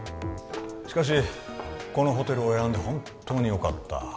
しかしこのホテルを選んで本当によかった